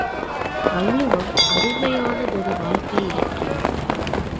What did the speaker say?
வள்ளுவம் அருமையானதொரு வாழ்க்கை இலக்கியம்.